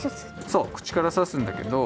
そうくちからさすんだけど。